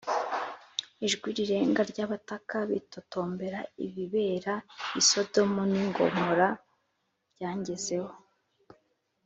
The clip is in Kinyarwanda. Ijwi rirenga ry abataka bitotombera ibibera i sodomu n i gomora ryangezeho